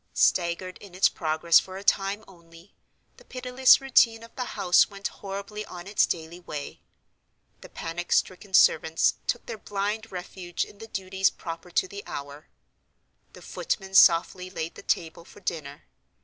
Staggered in its progress for a time only, the pitiless routine of the house went horribly on its daily way. The panic stricken servants took their blind refuge in the duties proper to the hour. The footman softly laid the table for dinner.